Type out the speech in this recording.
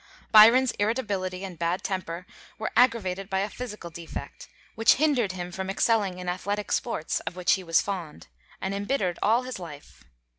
Byron's irritability and bad temper were aggravated by a physical defect, which hindered him from excelling in athletic sports of which he was fond, and embittered all his life.